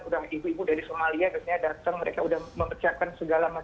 udah ibu ibu dari somalia datang mereka sudah memperciapkan segala macam rupa